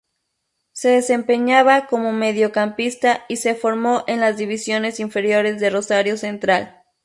Se desempeñaba como mediocampista y se formó en las divisiones inferiores de Rosario Central.